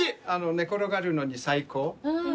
寝転がるのに最高。